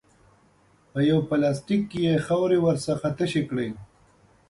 په یوه پلاستیک کې یې خاورې ورڅخه تشې کړې.